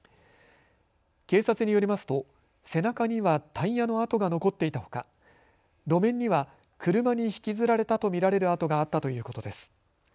警察によりますと背中にはタイヤの痕が残っていたほか路面には車に引きずられたと見られる跡があったということです。